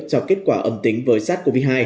cho kết quả âm tính với sars cov hai